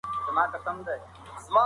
ما ورته په پوره هیله کتل خو هغه لیرې وه.